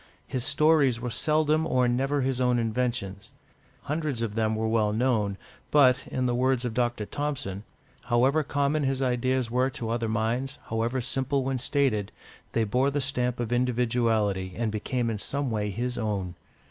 His stories were seldom or never his own inventions; hundreds of them were well known, but, in the words of Dr. Thompson, "however common his ideas were to other minds, however simple when stated, they bore the stamp of individuality, and became in some way his own."